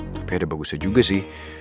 tapi ada bagusnya juga sih